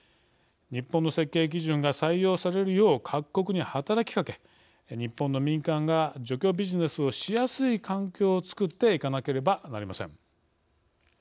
日本の設計基準が採用されるよう各国に働きかけ日本の民間が除去ビジネスをしやすい環境をつくっていかなければなりません。